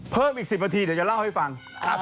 เพิ่มอีก๑๐นาทีเดี๋ยวจะเล่าให้ฟัง